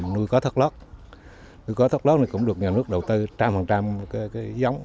nui có thác lát nuôi có thác lát cũng được nhà nước đầu tư trăm phần trăm giống